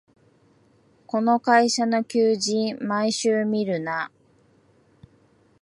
この会社の求人、毎週見るな